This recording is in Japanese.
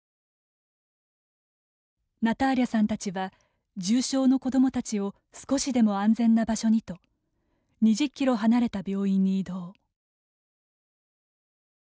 ナターリャさんたちは重症の子どもたちを少しでも安全な場所にと２０キロ離れた病院に移動。